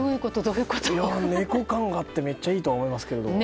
猫感があってめっちゃいいと思います。